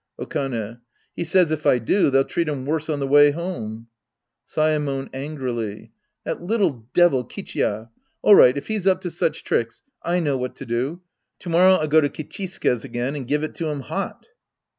Okane. He says if I do, they'll treat him worse on the way home. Saemon {angrily). That little devil, Kicliiya ! All right, if he's up to such tricks, I know what to do. To morrow I'll go to Kichisuke's again and give it to him hot.